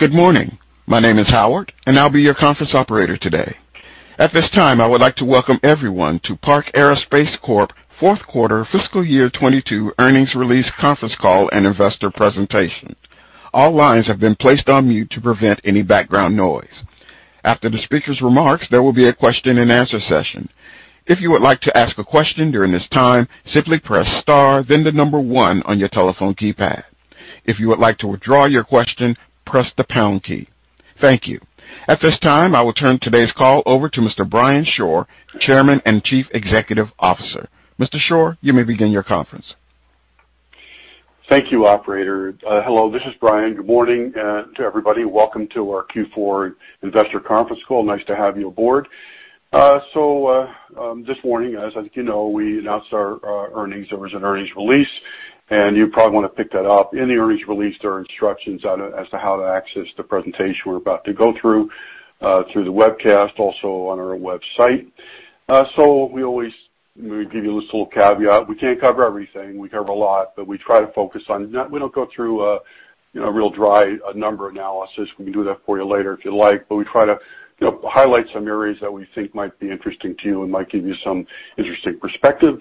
Good morning. My name is Howard, and I'll be your Conference Operator today. At this time, I would like to welcome everyone to Park Aerospace Corp. Fourth Quarter Fiscal Year 2022 Earnings Release Conference Call and Investor Presentation. All lines have been placed on mute to prevent any background noise. After the speaker's remarks, there will be a question and answer session. If you would like to ask a question during this time, simply press star then the number one on your telephone keypad. If you would like to withdraw your question, press the pound key. Thank you. At this time, I will turn today's call over to Mr. Brian Shore, Chairman and Chief Executive Officer. Mr. Shore, you may begin your conference. Thank you, Operator. Hello, this is Brian. Good morning to everybody. Welcome to our Q4 Investor Conference Call. Nice to have you aboard. This morning, as you know, we announced our earnings. There was an earnings release, and you probably wanna pick that up. In the earnings release, there are instructions on it as to how to access the presentation we're about to go through the webcast, also on our website. We always give you this little caveat. We can't cover everything. We cover a lot, but we try to focus on. We don't go through a real dry number analysis. We can do that for you later if you like, but we try to, you know, highlight some areas that we think might be interesting to you and might give you some interesting perspective.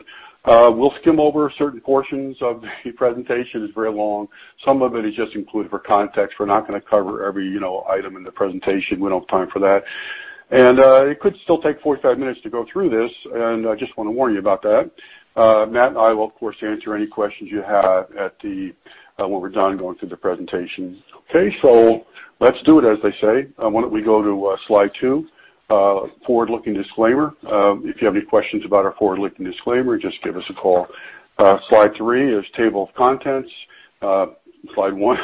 We'll skim over certain portions of the presentation. It's very long. Some of it is just included for context. We're not gonna cover every, you know, item in the presentation. We don't have time for that. It could still take 45 minutes to go through this, and I just wanna warn you about that. Matt and I will, of course, answer any questions you have at the when we're done going through the presentation. Okay, let's do it, as they say. Why don't we go to slide two, forward-looking disclaimer. If you have any questions about our forward-looking disclaimer, just give us a call. Slide three is table of contents. Slide one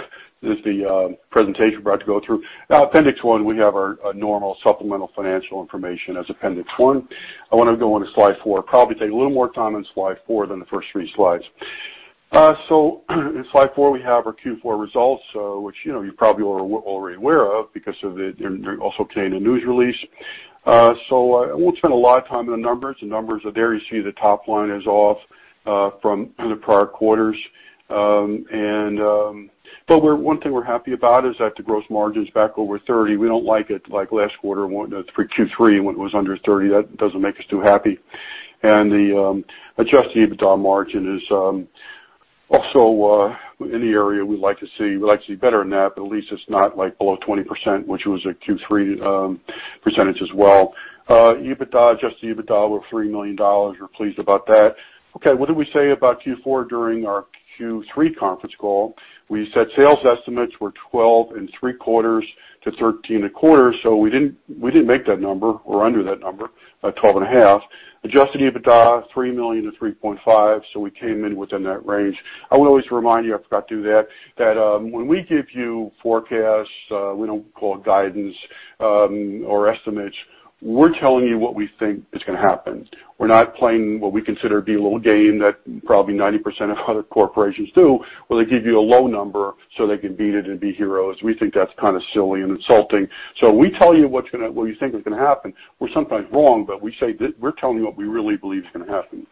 is the presentation we're about to go through. Appendix one, we have our normal supplemental financial information as appendix one. I wanna go on to slide four. Probably take a little more time on slide four than the first three slides. So in slide four, we have our Q4 results, which, you know, you probably are already aware of because of the and also came in a news release. I won't spend a lot of time on the numbers. The numbers are there. You see the top line is off from the prior quarters. One thing we're happy about is that the gross margin's back over 30%. We don't like it, like last quarter, when Q3, when it was under 30%. That doesn't make us too happy. The adjusted EBITDA margin is also in the area we like to see. We'd like to see better than that, but at least it's not like below 20%, which was a Q3 percentage as well. EBITDA, adjusted EBITDA of $3 million. We're pleased about that. Okay, what did we say about Q4 during our Q3 conference call? We said sales estimates were $12.75 million-$13.25 million, so we didn't make that number. We're under that number at $12.5 million. Adjusted EBITDA, $3 million-$3.5 million, so we came in within that range. I would always remind you, I forgot to do that when we give you forecasts, we don't call it guidance or estimates. We're telling you what we think is gonna happen. We're not playing what we consider to be a little game that probably 90% of other corporations do, where they give you a low number, so they can beat it and be heroes. We think that's kinda silly and insulting. We tell you what we think is gonna happen. We're sometimes wrong, but we say that we're telling you what we really believe is gonna happen.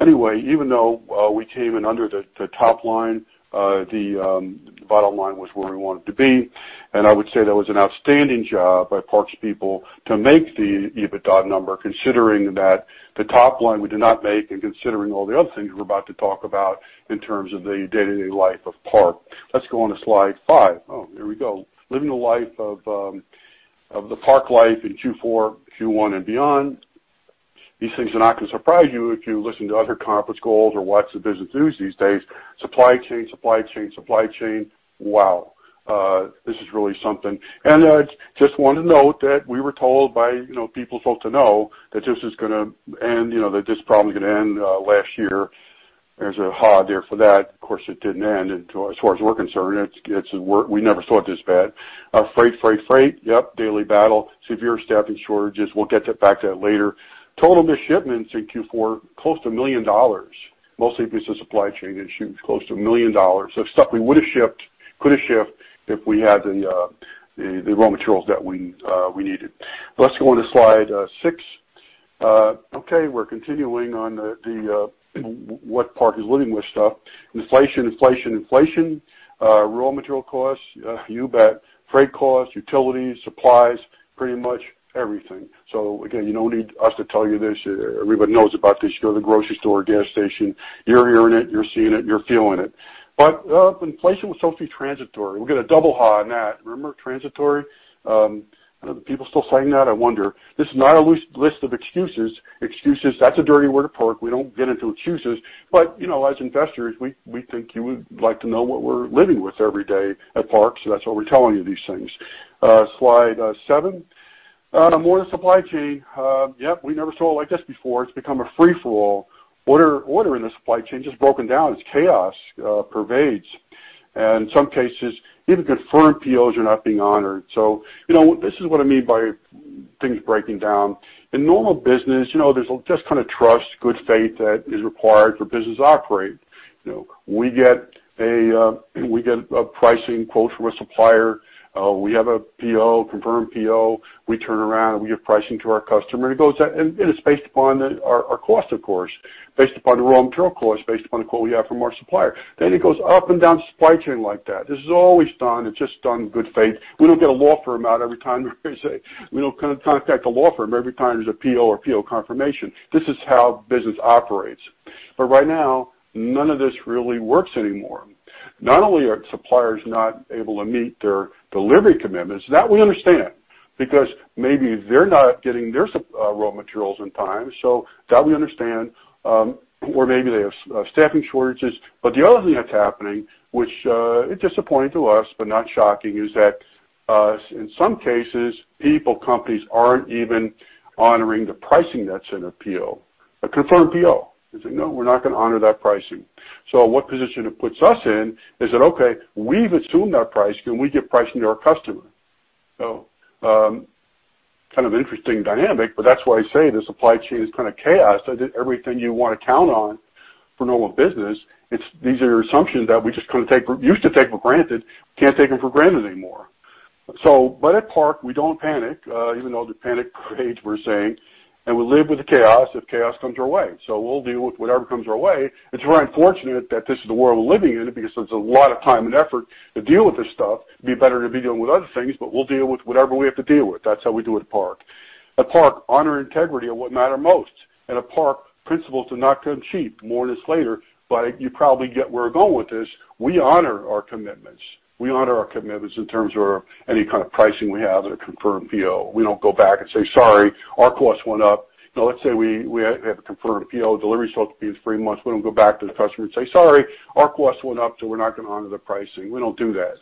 Anyway, even though we came in under the top line, the bottom line was where we wanted to be, and I would say that was an outstanding job by Park's people to make the EBITDA number, considering that the top line we did not make and considering all the other things we're about to talk about in terms of the day-to-day life of Park. Let's go on to slide 5. Oh, here we go. Living the life of the Park life in Q4, Q1, and beyond. These things are not gonna surprise you if you listen to other conference calls or watch the business news these days. Supply chain, supply chain, supply chain. Wow. This is really something. Just want to note that we were told by, you know, people supposed to know that this is gonna end, you know, that this problem is gonna end, last year. There's a ha there for that. Of course, it didn't end. As far as we're concerned, we never saw it this bad. Freight, freight. Yep, daily battle. Severe staffing shortages. We'll get back to that later. Total misshipments in Q4, close to $1 million. Mostly because of supply chain issues, close to $1 million of stuff we would've shipped, could've shipped if we had the raw materials that we needed. Let's go on to slide 6. Okay, we're continuing on the what Park is living with stuff. Inflation. Raw material costs, you bet. Freight costs, utilities, supplies, pretty much everything. Again, you don't need us to tell you this. Everybody knows about this. You go to the grocery store or gas station, you're hearing it, you're seeing it, you're feeling it. Inflation was supposed to be transitory. We'll get a double ha on that. Remember transitory? Are the people still saying that? I wonder. This is not a loose list of excuses. Excuses, that's a dirty word at Park. We don't get into excuses, but you know, as investors, we think you would like to know what we're living with every day at Park, so that's why we're telling you these things. Slide 7. More of the supply chain. Yep, we never saw it like this before. It's become a free-for-all. Order in the supply chain just broken down. It's chaos pervades. In some cases, even confirmed POs are not being honored. You know, this is what I mean by things breaking down. In normal business, you know, there's just kinda trust, good faith that is required for business to operate. You know, we get a pricing quote from a supplier, we have a PO, confirmed PO. We turn around and we give pricing to our customer, and it goes down, and it is based upon our cost, of course. Based upon the raw material cost, based upon the quote we have from our supplier. It goes up and down supply chain like that. This is always done. It's just done in good faith. We don't get a law firm out every time. We don't contact a law firm every time there's a PO or PO confirmation. This is how business operates. Right now, none of this really works anymore. Not only are suppliers not able to meet their delivery commitments, that we understand, because maybe they're not getting their raw materials in time, so that we understand. Or maybe they have staffing shortages. The other thing that's happening, which is disappointing to us, but not shocking, is that in some cases, people, companies aren't even honoring the pricing that's in a PO, a confirmed PO. They say, No, we're not gonna honor that pricing. What position it puts us in is that, okay, we've assumed that pricing when we give pricing to our customer. Kind of interesting dynamic, but that's why I say the supply chain is kind of chaos. Everything you wanna count on for normal business, these are assumptions that we just kind of used to take for granted, can't take them for granted anymore. At Park, we don't panic, even though the panic reigns, we're saying, and we live with the chaos if chaos comes our way. We'll deal with whatever comes our way. It's very unfortunate that this is the world we're living in because there's a lot of time and effort to deal with this stuff. It'd be better to be dealing with other things, but we'll deal with whatever we have to deal with. That's how we do it at Park. At Park, honor, integrity are what matter most. At Park, principles do not come cheap. More on this later, but you probably get where we're going with this. We honor our commitments. We honor our commitments in terms of any kind of pricing we have in a confirmed PO. We don't go back and say, Sorry, our costs went up. Now, let's say we have a confirmed PO, delivery is supposed to be in three months. We don't go back to the customer and say, Sorry, our costs went up, so we're not gonna honor the pricing. We don't do that.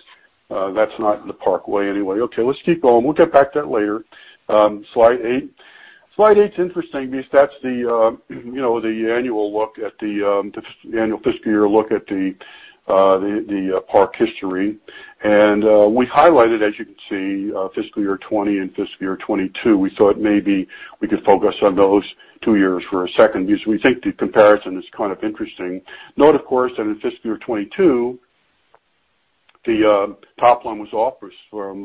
That's not the Park way anyway. Okay, let's keep going. We'll get back to that later. Slide eight. Slide eight's interesting because that's the, you know, the annual look at the annual fiscal year look at the the the the Park history. We highlighted, as you can see, fiscal year 2020 and fiscal year 2022. We thought maybe we could focus on those two years for a second because we think the comparison is kind of interesting. Note, of course, that in fiscal year 2022, the top line was off from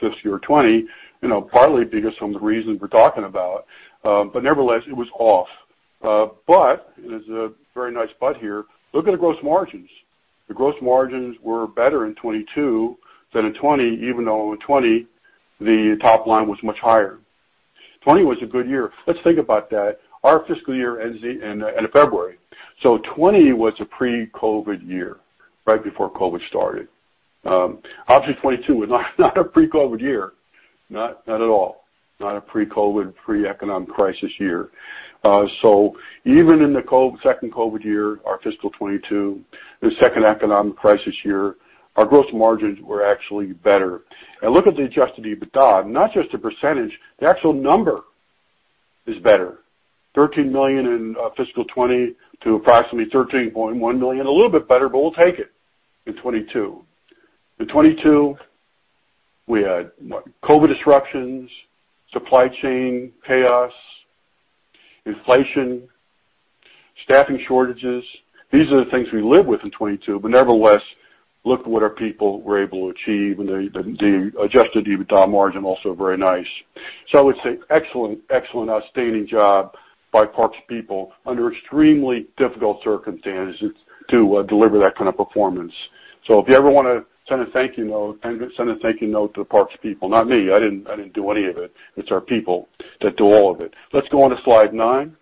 fiscal year 2020, you know, partly because some of the reasons we're talking about. Nevertheless, it was off. There's a very nice but here. Look at the gross margins. The gross margins were better in 2022 than in 2020, even though in 2020, the top line was much higher. 2020 was a good year. Let's think about that. Our fiscal year ends end of February. So 2020 was a pre-COVID year, right before COVID started. Obviously, 2022 was not a pre-COVID year, not at all. Not a pre-COVID, pre-economic crisis year. So even in the second COVID year, our fiscal 2022, the second economic crisis year, our gross margins were actually better. Look at the adjusted EBITDA, not just the percentage, the actual number is better. $13 million in fiscal 2020 to approximately $13.1 million. A little bit better, but we'll take it in 2022. In 2022, we had what? COVID disruptions, supply chain chaos, inflation, staffing shortages. These are the things we lived with in 2022, but nevertheless, look at what our people were able to achieve, and the adjusted EBITDA margin also very nice. I would say excellent, outstanding job by Park's people under extremely difficult circumstances to deliver that kind of performance. If you ever wanna send a thank you note, kind of send a thank you note to the Park's people. Not me. I didn't do any of it. It's our people that do all of it. Let's go on to slide 9.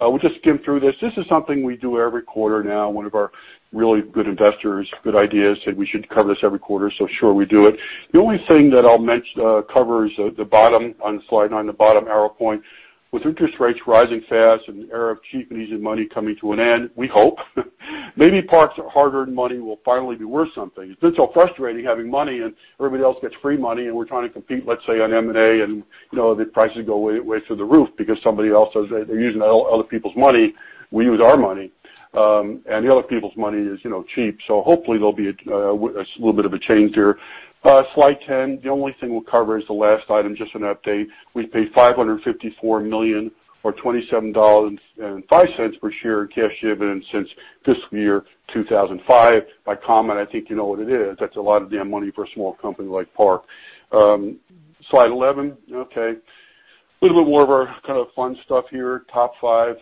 We'll just skim through this. This is something we do every quarter now. One of our really good investors, good idea, said we should cover this every quarter, sure we do it. The only thing that I'll cover is the bottom on slide nine, the bottom arrow point. With interest rates rising fast and the era of cheap and easy money coming to an end, we hope, maybe Park's hard-earned money will finally be worth something. It's been so frustrating having money and everybody else gets free money, and we're trying to compete, let's say, on M&A, and, you know, the prices go way through the roof because somebody else does that. They're using other people's money. We use our money. And the other people's money is, you know, cheap. Hopefully there'll be a little bit of a change there. Slide ten. The only thing we'll cover is the last item, just an update. We've paid $554 million or $27.05 per share in cash dividends since fiscal year 2005. By comparison, I think you know what it is. That's a lot of damn money for a small company like Park. Slide 11. Okay. A little bit more of our kind of fun stuff here. Top five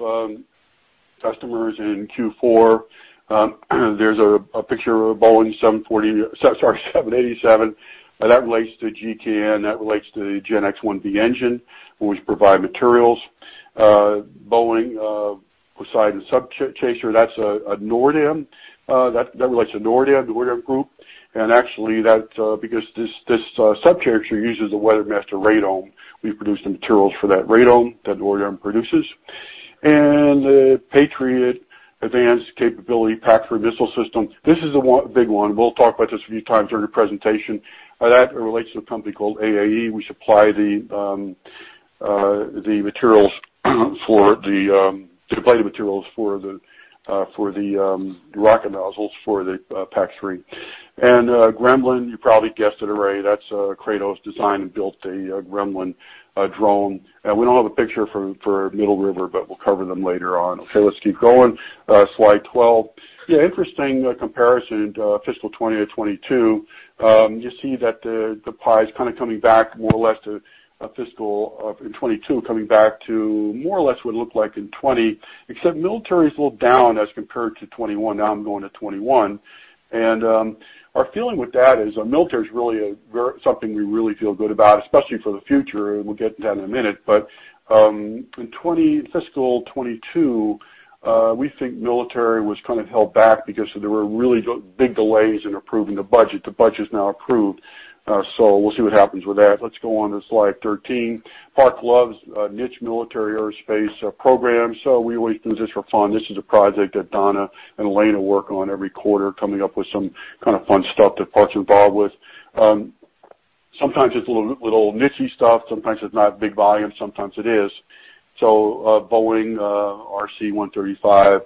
customers in Q4. There's a picture of a Boeing 787. That relates to GEnx. That relates to the GEnx-1B engine, for which we provide materials. Boeing Poseidon sub chaser, that's a NORDAM. That relates to NORDAM, the NORDAM group. Actually, because this sub chaser uses the WeatherMASTER radome. We produce the materials for that radome that NORDAM produces. The Patriot Advanced Capability PAC-3 missile system. This is a big one. We'll talk about this a few times during the presentation. That relates to a company called Aerojet Rocketdyne. We supply the materials for the rocket nozzles for the PAC-3. Gremlins, you probably guessed it already. That's Kratos designed and built the Gremlins drone. We don't have a picture for Middle River, but we'll cover them later on. Okay, let's keep going. Slide 12. Yeah, interesting comparison to fiscal 2020 to 2022. You see that the pie's kind of coming back more or less to a fiscal of 2022, coming back to more or less what it looked like in 2020, except military's a little down as compared to 2021. Now I'm going to 2021. Our feeling with that is our military is really something we really feel good about, especially for the future, and we'll get to that in a minute. In 2020, fiscal 2022, we think military was kind of held back because there were really big delays in approving the budget. The budget's now approved, so we'll see what happens with that. Let's go on to slide 13. Park loves niche military aerospace programs, so we always do this for fun. This is a project that Donna and Elena work on every quarter, coming up with some kind of fun stuff that Park's involved with. Sometimes it's a little niche-y stuff. Sometimes it's not big volume, sometimes it is. Boeing RC-135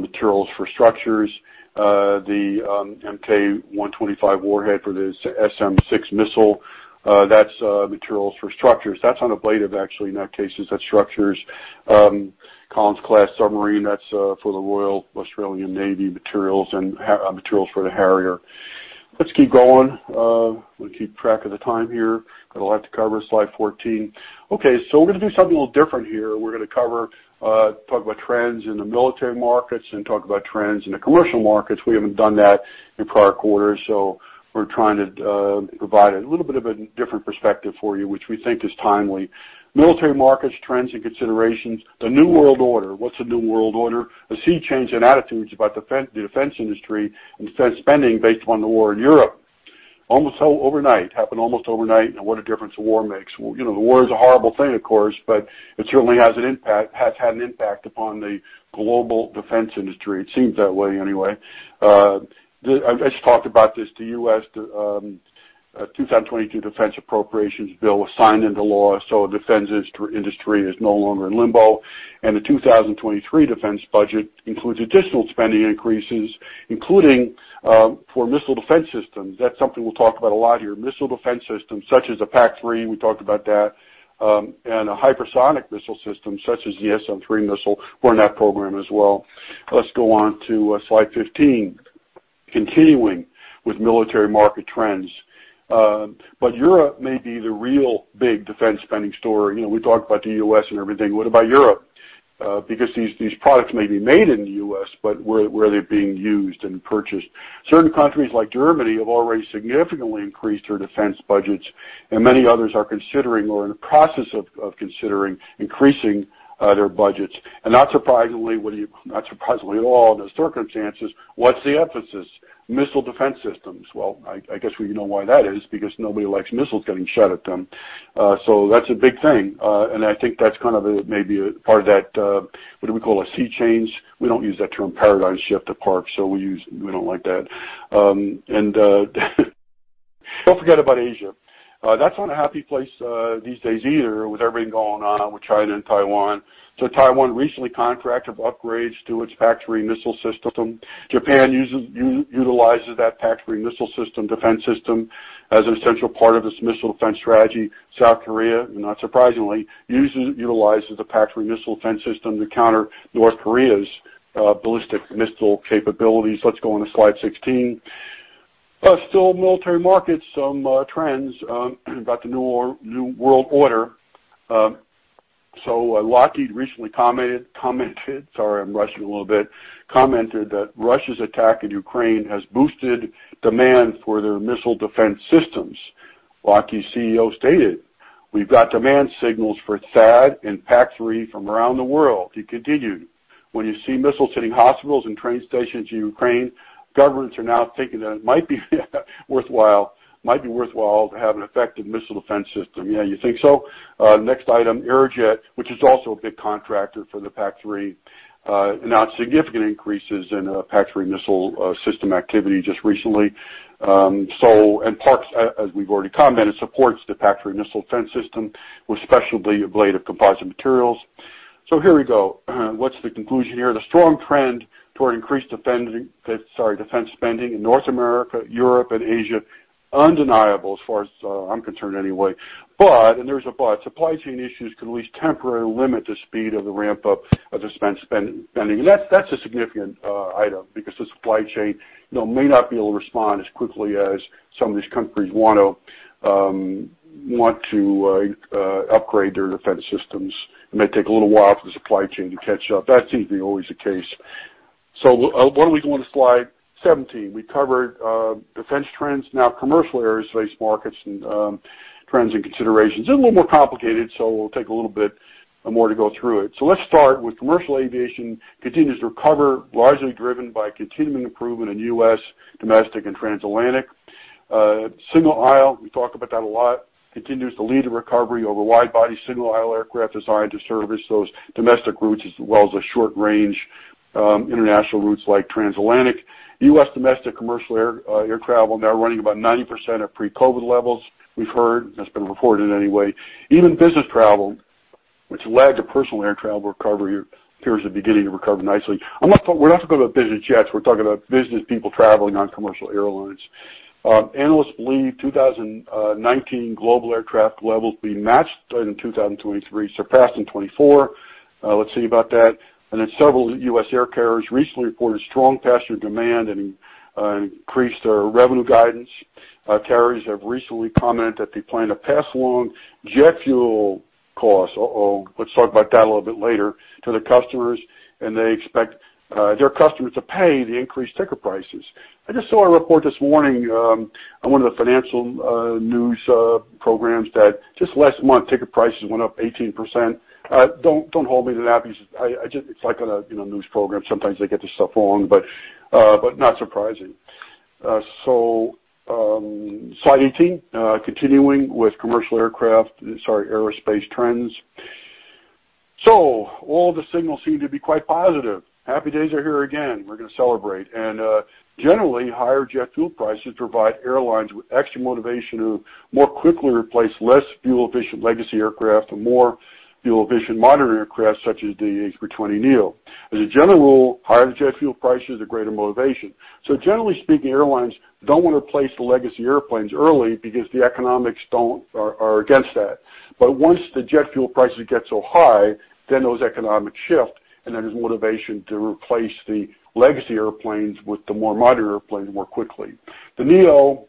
materials for structures. The Mk 125 warhead for the SM-6 missile, that's materials for structures. That's on ablative, actually, in that case, 'cause that's structures. Collins-class submarine, that's for the Royal Australian Navy materials, and materials for the Harrier. Let's keep going. Wanna keep track of the time here. Got a lot to cover. Slide 14. Okay, so we're gonna do something a little different here. We're gonna cover, talk about trends in the military markets and talk about trends in the commercial markets. We haven't done that in prior quarters, so we're trying to provide a little bit of a different perspective for you, which we think is timely. Military markets, trends, and considerations. The new world order. What's the new world order? A sea change in attitudes about the defense industry and defense spending based on the war in Europe. Almost overnight, and what a difference a war makes. Well, you know, the war is a horrible thing, of course, but it certainly has an impact upon the global defense industry. It seems that way, anyway. I just talked about this. The U.S. 2022 defense appropriations bill was signed into law, so defense industry is no longer in limbo. The 2023 defense budget includes additional spending increases, including for missile defense systems. That's something we'll talk about a lot here. Missile defense systems such as a PAC-3, we talked about that, and a hypersonic missile system such as the SM-3 missile. We're in that program as well. Let's go on to slide 15. Continuing with military market trends. Europe may be the real big defense spending story. You know, we talked about the U.S. and everything. What about Europe? Because these products may be made in the U.S., but where are they being used and purchased? Certain countries like Germany have already significantly increased their defense budgets, and many others are considering or are in the process of considering increasing their budgets. Not surprisingly at all, the circumstances, what's the emphasis? Missile defense systems. Well, I guess we know why that is, because nobody likes missiles getting shot at them. So that's a big thing. I think that's kind of a maybe a part of that, what do we call, a sea change. We don't use that term paradigm shift at Park. We don't like that. Don't forget about Asia. That's not a happy place these days either with everything going on with China and Taiwan. Taiwan recently contracted for upgrades to its PAC-3 missile system. Japan utilizes that PAC-3 missile system defense system as an essential part of its missile defense strategy. South Korea, not surprisingly, utilizes the PAC-3 missile defense system to counter North Korea's ballistic missile capabilities. Let's go on to slide 16. Still military markets, some trends about the new world order. Lockheed recently commented. Sorry, I'm rushing a little bit. Commented that Russia's attack in Ukraine has boosted demand for their missile defense systems. Lockheed's CEO stated, We've got demand signals for THAAD and PAC-3 from around the world. He continued, When you see missiles hitting hospitals and train stations in Ukraine, governments are now thinking that it might be worthwhile to have an effective missile defense system. Yeah, you think so? Next item, Aerojet Rocketdyne, which is also a big contractor for the PAC-3, announced significant increases in PAC-3 missile system activity just recently. Park's, as we've already commented, supports the PAC-3 Missile Defense system with specialty ablative composite materials. Here we go. What's the conclusion here? The strong trend toward increased defense spending in North America, Europe, and Asia, undeniable as far as I'm concerned anyway. There's a but, supply chain issues could at least temporarily limit the speed of the ramp-up of defense spending. That's a significant item because the supply chain, you know, may not be able to respond as quickly as some of these countries want to upgrade their defense systems. It may take a little while for the supply chain to catch up. That seems to be always the case. Why don't we go on to slide 17. We covered defense trends. Now commercial aerospace markets and trends and considerations. They're a little more complicated, so it'll take a little bit more to go through it. Let's start with commercial aviation continues to recover, largely driven by continuing improvement in U.S. domestic and transatlantic. Single aisle, we talk about that a lot, continues to lead the recovery over wide body. Single-aisle aircraft designed to service those domestic routes as well as the short-range international routes like transatlantic. U.S. domestic commercial air travel now running about 90% of pre-COVID levels, we've heard. That's been reported anyway. Even business travel which lagged a personal air travel recovery appears to be beginning to recover nicely. We're not talking about business jets. We're talking about business people traveling on commercial airlines. Analysts believe 2019 global air traffic levels will be matched in 2023, surpassed in 2024. Let's see about that. Several U.S. air carriers recently reported strong passenger demand and increased their revenue guidance. Carriers have recently commented that they plan to pass along jet fuel costs. Let's talk about that a little bit later to their customers, and they expect their customers to pay the increased ticket prices. I just saw a report this morning on one of the financial news programs that just last month, ticket prices went up 18%. Don't hold me to that because I just. It's like on a, you know, news program, sometimes they get this stuff wrong, but not surprising. Slide 18, continuing with commercial aircraft, sorry, aerospace trends. All the signals seem to be quite positive. Happy days are here again. We're gonna celebrate. Generally, higher jet fuel prices provide airlines with extra motivation to more quickly replace less fuel-efficient legacy aircraft and more fuel-efficient modern aircraft such as the A320neo. As a general rule, higher jet fuel prices are greater motivation. Generally speaking, airlines don't want to replace the legacy airplanes early because the economics are against that. Once the jet fuel prices get so high, then those economics shift, and there's motivation to replace the legacy airplanes with the more modern airplanes more quickly. The neo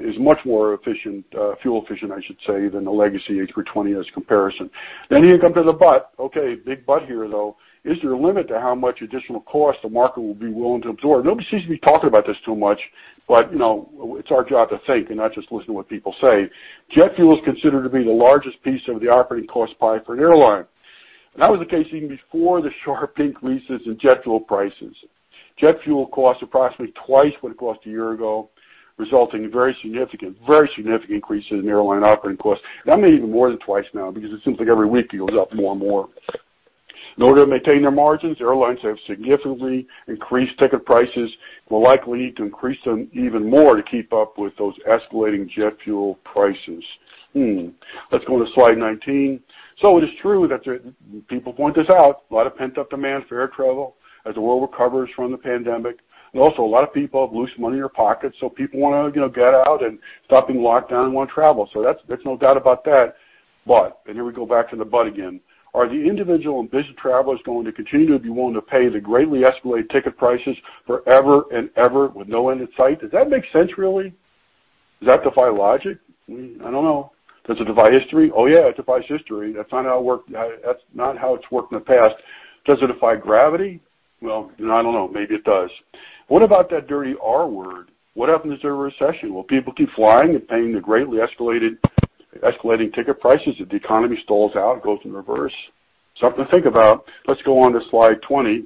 is much more efficient, fuel efficient, I should say, than the legacy A320 as a comparison. You come to the but. Okay, big but here, though. Is there a limit to how much additional cost the market will be willing to absorb? Nobody seems to be talking about this too much, but, you know, it's our job to think and not just listen to what people say. Jet fuel is considered to be the largest piece of the operating cost pie for an airline, and that was the case even before the sharp increases in jet fuel prices. Jet fuel costs approximately twice what it cost a year ago, resulting in very significant increases in airline operating costs. That may even more than twice now because it seems like every week it goes up more and more. In order to maintain their margins, airlines have significantly increased ticket prices, will likely need to increase them even more to keep up with those escalating jet fuel prices. Let's go to slide 19. It is true that there. People point this out, a lot of pent-up demand for air travel as the world recovers from the pandemic. Also a lot of people have loose money in their pockets, so people wanna, you know, get out and stop being locked down and wanna travel. That's. There's no doubt about that. Here we go back to the but again, are the individual and business travelers going to continue to be willing to pay the greatly escalated ticket prices forever and ever with no end in sight? Does that make sense, really? Does that defy logic? I don't know. Does it defy history? Oh, yeah, it defies history. That's not how it's worked in the past. Does it defy gravity? Well, you know, I don't know. Maybe it does. What about that dirty R word? What happens if there's a recession? Will people keep flying and paying the greatly escalated, escalating ticket prices if the economy stalls out and goes in reverse? Something to think about. Let's go on to slide 20,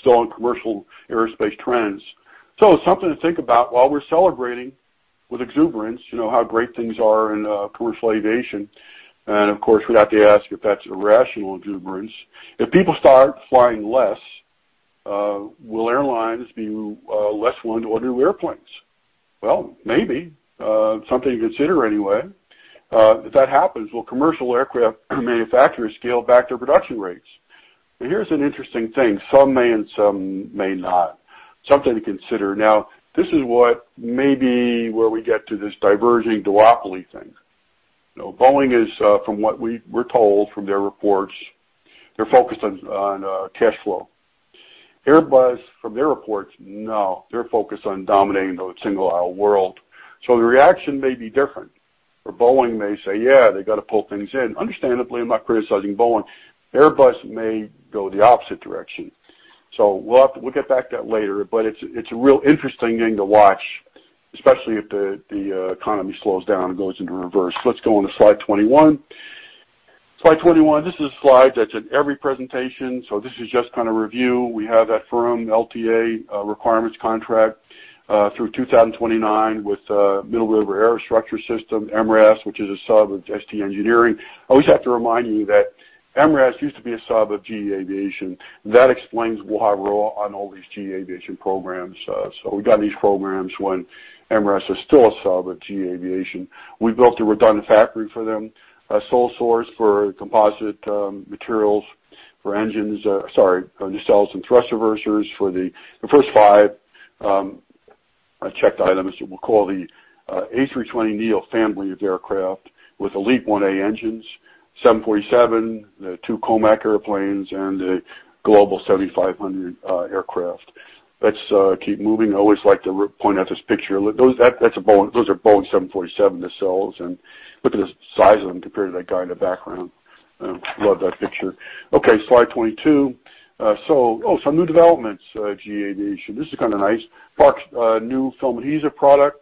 still on commercial aerospace trends. Something to think about while we're celebrating with exuberance, you know, how great things are in commercial aviation, and of course, we have to ask if that's irrational exuberance. If people start flying less, will airlines be less willing to order new airplanes? Well, maybe. Something to consider anyway. If that happens, will commercial aircraft manufacturers scale back their production rates? Here's an interesting thing. Some may and some may not. Something to consider. Now, this is what may be where we get to this diverging duopoly thing. You know, Boeing is, from what we're told from their reports, they're focused on cash flow. Airbus, from their reports, no, they're focused on dominating the single-aisle world. The reaction may be different, where Boeing may say, Yeah, they gotta pull things in. Understandably, I'm not criticizing Boeing. Airbus may go the opposite direction. We'll get back to that later, but it's a real interesting thing to watch, especially if the economy slows down and goes into reverse. Let's go on to slide 21. Slide 21, this is a slide that's in every presentation, so this is just kind of review. We have that firm LTA requirements contract through 2029 with Middle River Aerostructure Systems, MRAS, which is a sub of ST Engineering. I always have to remind you that MRAS used to be a sub of GE Aviation. That explains why we're on all these GE Aviation programs. We got these programs when MRAS was still a sub of GE Aviation. We built a redundant factory for them, a sole source for composite materials for nacelles and thrust reversers for the first 5 checked items we'll call the A320neo family of aircraft with LEAP-1A engines, 747, the two COMAC airplanes, and the Global 7500 aircraft. Let's keep moving. I always like to point out this picture. Those are Boeing 747 nacelles, and look at the size of them compared to that guy in the background. Love that picture. Okay, slide 22. Some new developments at GE Aviation. This is kind of nice. Park's new film adhesive product,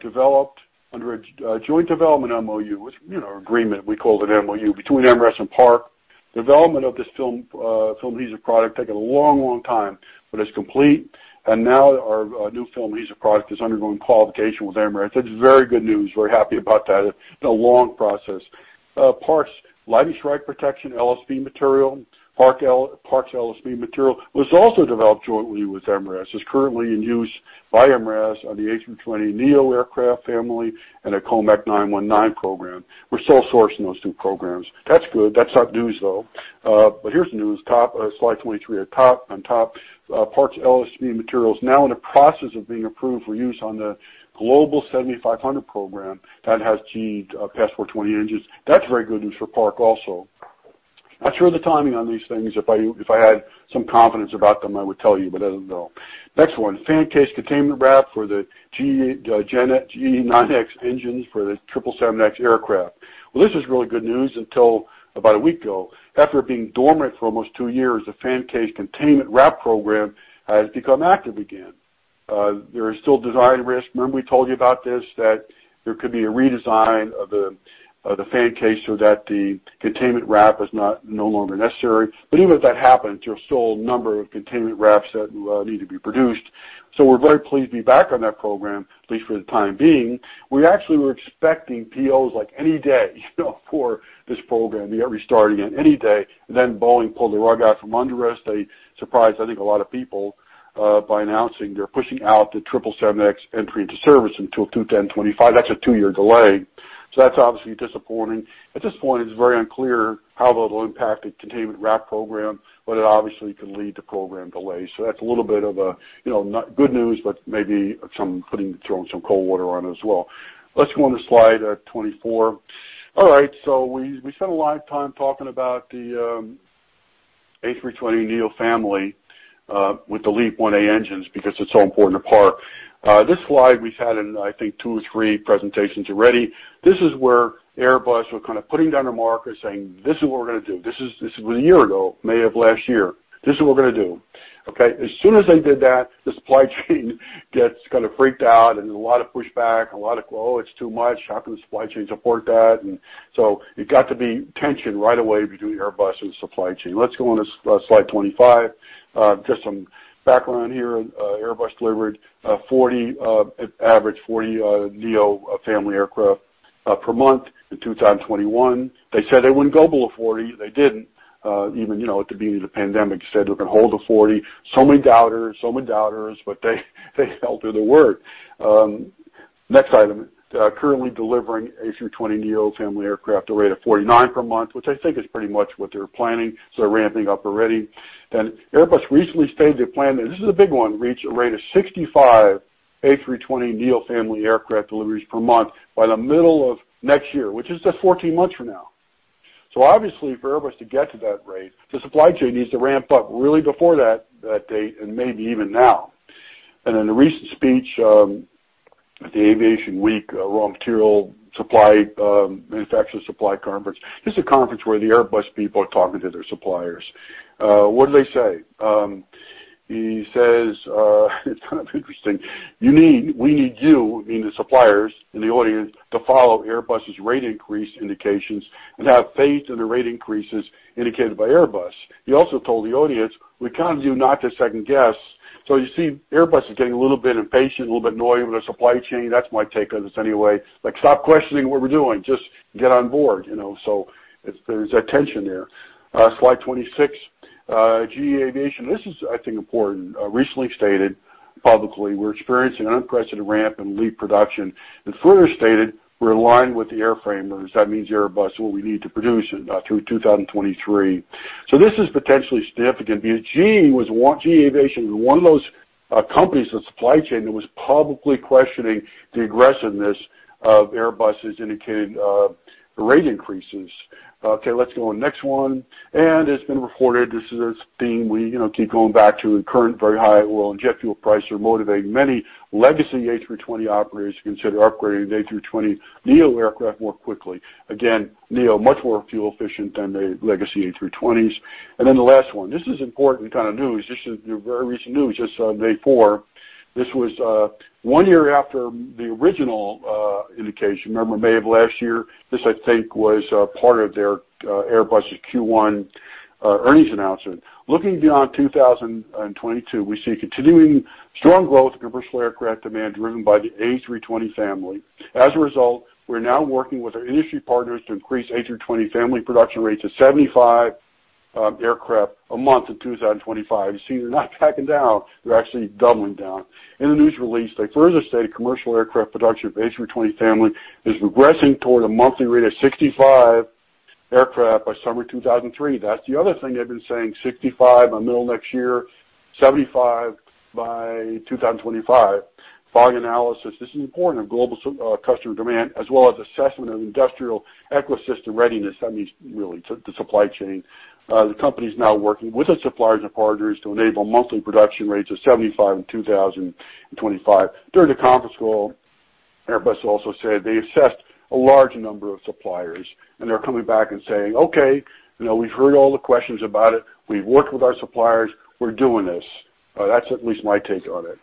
developed under a joint development MOU, which, you know, agreement, we called it an MOU, between MRAS and Park. Development of this film adhesive product taking a long time. It's complete. Now our new film adhesive product is undergoing qualification with Emirates. It's very good news. We're happy about that. It's been a long process. Parks lightning strike protection, LSP material, Parks LSP material was also developed jointly with Emirates. It's currently in use by Emirates on the A320neo aircraft family and the COMAC C919 program. We're sole source in those two programs. That's good. That's not news, though. Here's the news. Top, slide 23 at top. On top, Park's LSP material is now in the process of being approved for use on the Global 7500 program that has GE Passport 20 engines. That's very good news for Park also. Not sure of the timing on these things. If I had some confidence about them, I would tell you, but I don't know. Next one, fan case containment wrap for the GE9X engines for the 777X aircraft. Well, this is really good news until about a week ago. After being dormant for almost two years, the fan case containment wrap program has become active again. There is still design risk. Remember we told you about this, that there could be a redesign of the fan case so that the containment wrap is no longer necessary. Even if that happens, there are still a number of containment wraps that need to be produced. We're very pleased to be back on that program, at least for the time being. We actually were expecting POs like any day, you know, for this program, you know, restarting at any day. Boeing pulled the rug out from under us. They surprised, I think, a lot of people by announcing they're pushing out the 777X entry into service until 2025. That's a 2-year delay. That's obviously disappointing. At this point, it's very unclear how that'll impact the containment wrap program, but it obviously could lead to program delays. That's a little bit of a, you know, not good news, but maybe some putting, throwing some cold water on it as well. Let's go on to slide 24. All right, we spent a lot of time talking about the A320neo family with the LEAP-1A engines because it's so important to Park. This slide we've had in, I think, two or three presentations already. This is where Airbus was kind of putting down their marker saying, This is what we're gonna do. This is a year ago, May of last year. This is what we're gonna do. Okay? As soon as they did that, the supply chain gets kind of freaked out, and a lot of pushback, a lot of, Oh, it's too much. How can the supply chain support that? It got to be tension right away between Airbus and the supply chain. Let's go on to slide 25. Just some background here. Airbus delivered an average of 40 A320neo family aircraft per month in 2021. They said they wouldn't go below 40. They didn't. Even, you know, at the beginning of the pandemic, they said they can hold the 40. So many doubters, but they held to their word. Next item. Currently delivering A320neo family aircraft at a rate of 49 per month, which I think is pretty much what they were planning, so ramping up already. Airbus recently stated their plan, and this is a big one, reach a rate of 65 A320neo family aircraft deliveries per month by the middle of next year, which is just 14 months from now. Obviously, for Airbus to get to that rate, the supply chain needs to ramp up really before that date and maybe even now. In a recent speech at the Aviation Week raw material supply manufacturer supply conference, this is a conference where the Airbus people are talking to their suppliers. What did they say? He says it's kind of interesting. We need you, meaning the suppliers in the audience, to follow Airbus's rate increase indications and have faith in the rate increases indicated by Airbus. He also told the audience, We can't have you not to second-guess. You see, Airbus is getting a little bit impatient, a little bit annoyed with their supply chain. That's my take on this anyway. Like, stop questioning what we're doing, just get on board, you know. It's. There's that tension there. Slide 26. GE Aviation, this is I think important, recently stated publicly, We're experiencing unprecedented ramp in LEAP production, and further stated, We're aligned with the airframers, that means Airbus, what we need to produce through 2023. This is potentially significant because GE Aviation was one of those companies in the supply chain that was publicly questioning the aggressiveness of Airbus's indicated rate increases. Okay, let's go on. Next one. It's been reported, this is a theme we, you know, keep going back to. Current very high oil and jet fuel prices are motivating many legacy A320 operators to consider upgrading their A320neo aircraft more quickly. Again, neo much more fuel efficient than the legacy A320s. Then the last one, this is important kind of news. This is, you know, very recent news, just on May 4. This was one year after the original indication. Remember May of last year? This, I think, was part of their Airbus's Q1 earnings announcement. Looking beyond 2022, we see continuing strong growth in commercial aircraft demand driven by the A320 family. As a result, we're now working with our industry partners to increase A320 family production rates of 75 aircraft a month in 2025. You see, they're not backing down. They're actually doubling down. In the news release, they further state commercial aircraft production of A320 family is progressing toward a monthly rate of 65 aircraft by summer 2023. That's the other thing they've been saying, 65 by middle of next year, 75 by 2025. Following analysis, this is important, of global customer demand, as well as assessment of industrial ecosystem readiness, that means really to the supply chain, the company is now working with its suppliers and partners to enable monthly production rates of 75 in 2025. During the conference call, Airbus also said they assessed a large number of suppliers, and they're coming back and saying, Okay, you know, we've heard all the questions about it. We've worked with our suppliers. We're doing this. That's at least my take on it.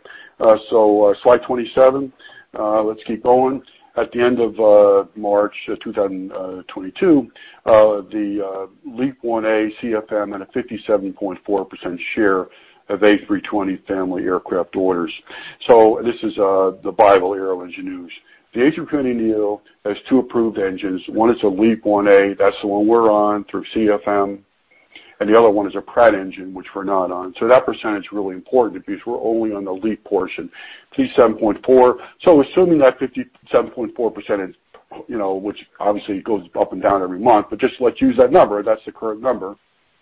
Slide 27. Let's keep going. At the end of March 2022, the LEAP-1A, CFM had a 57.4% share of A320 family aircraft orders. This is the Bib L. E. Aero-Engines news. The A320neo has two approved engines. One is a LEAP-1A, that's the one we're on through CFM, and the other one is a Pratt & Whitney engine, which we're not on. That percentage is really important because we're only on the LEAP portion, 57.4. Assuming that 57.4% is, you know, which obviously goes up and down every month, but just let's use that number, that's the current number.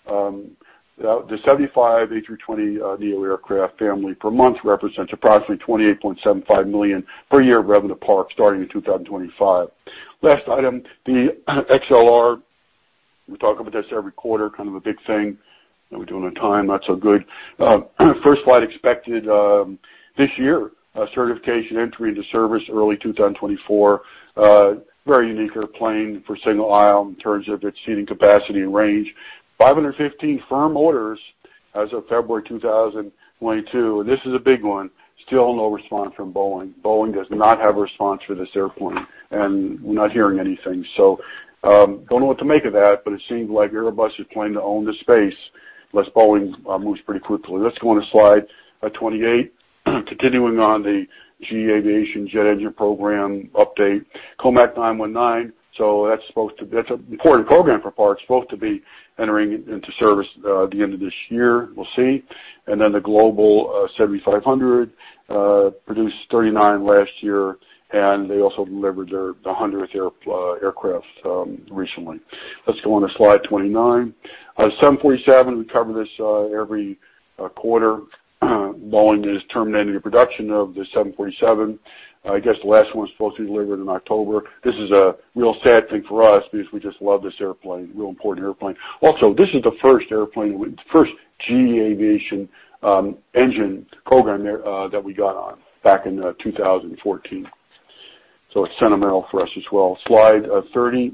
The 75 A320neo aircraft family per month represents approximately $28.75 million per year of revenue for Park starting in 2025. Last item, the XLR. We talk about this every quarter, kind of a big thing. How we doing on time? Not so good. First flight expected this year. Certification entry into service early 2024. Very unique airplane for single aisle in terms of its seating capacity and range. 515 firm orders as of February 2022. This is a big one. Still no response from Boeing. Boeing does not have a response for this airplane, and we're not hearing anything. Don't know what to make of that, but it seems like Airbus is planning to own the space unless Boeing moves pretty quickly. Let's go on to slide 28. Continuing on the GE Aviation jet engine program update. COMAC C919. That's supposed to be entering into service at the end of this year, we'll see. Then the Global 7500 produced 39 last year, and they also delivered their, the hundredth aircraft recently. Let's go on to slide 29. 747, we cover this every quarter. Boeing is terminating the production of the 747. I guess the last one is supposed to be delivered in October. This is a real sad thing for us because we just love this airplane. Real important airplane. This is the first airplane, first GE Aviation engine program there that we got on back in 2014. It's sentimental for us as well. Slide 30.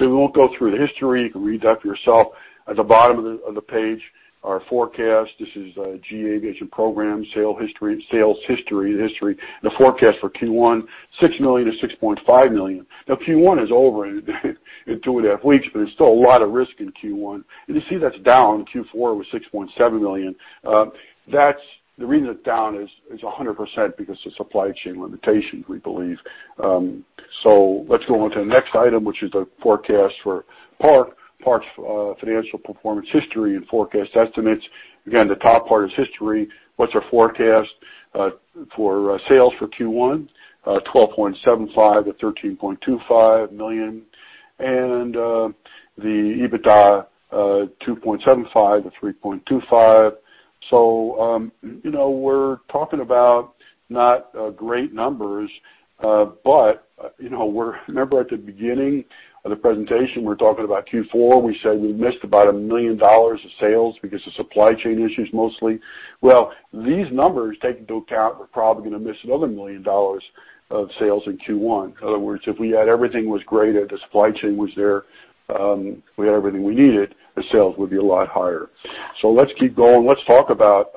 We won't go through the history. You can read that for yourself. At the bottom of the page, our forecast. This is a GE Aviation program sales history. The forecast for Q1, $6 million-$6.5 million. Now Q1 is over in two and a half weeks, but there's still a lot of risk in Q1. You see that's down. Q4 was $6.7 million. That's the reason it's down 100% because of supply chain limitations, we believe. Let's go on to the next item, which is the forecast for Park. Park's financial performance history and forecast estimates. Again, the top part is history. What's our forecast for sales for Q1? $12.75 million-$13.25 million. The EBITDA $2.75 million-$3.25 million. You know, we're talking about not great numbers, but you know, remember at the beginning of the presentation, we were talking about Q4. We said we missed about $1 million of sales because of supply chain issues mostly. Well, these numbers take into account we're probably gonna miss another $1 million of sales in Q1. In other words, if we had everything was great or the supply chain was there, we had everything we needed, the sales would be a lot higher. Let's keep going. Let's talk about